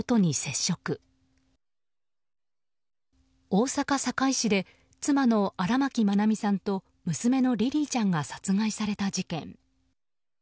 大阪・堺市で妻の荒牧愛美さんと娘のリリィちゃんが殺害された事件。